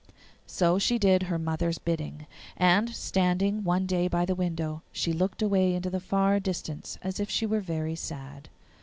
So she did her mother's bidding, and, standing one day by the window, she looked away into the far distance as if she were very sad.